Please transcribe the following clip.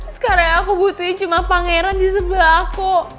sekarang aku butuhin cuma pangeran di sebelah aku